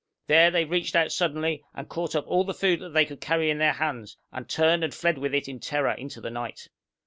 There they reached out suddenly, and caught up all the food that they could carry in their hands, and turned and fled with it in terror into the night.